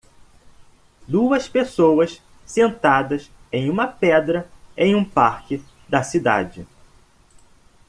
Duas pessoas sentadas em uma pedra em um parque da cidade.